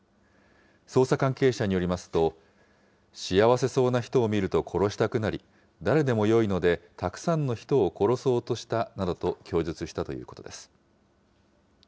捜査関係者によりますと、幸せそうな人を見ると殺したくなり、誰でもよいのでたくさんの人を殺そうとしたなどと供述したということです。